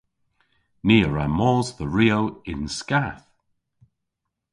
Ni a wra mos dhe Rio yn skath.